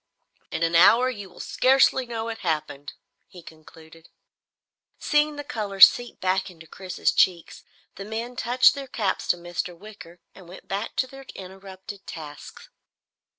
"In an hour you will scarcely know it happened," he concluded. Seeing the color seep back into Chris's cheeks, the men touched their caps to Mr. Wicker and went back to their interrupted tasks.